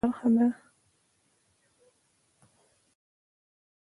یورانیم د افغانستان د اقتصاد برخه ده.